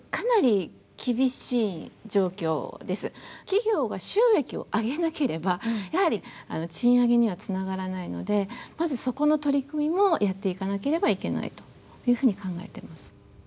企業が収益を上げなければやはり賃上げにはつながらないのでまずそこの取り組みをやっていかなければいけないというふうに考えてます。